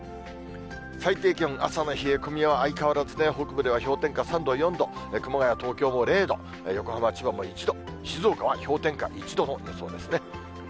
最低気温、朝の冷え込みは相変わらずで北部では氷点下３度、４度、熊谷、東京も０度、横浜、千葉も１度、静岡は氷点下１度の予想ですね。